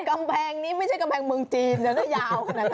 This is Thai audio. กำแพงนี้ไม่ใช่กำแพงเมืองจีนยาวนะครับ